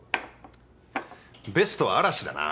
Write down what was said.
ベストは嵐だな。